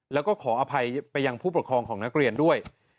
แล้วก็ขออภัยไปยังผู้ปกครองของนักเรียนด้วย